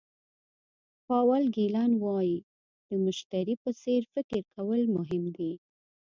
پاول ګیلن وایي د مشتري په څېر فکر کول مهم دي.